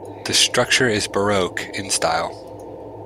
The structure is Baroque in style.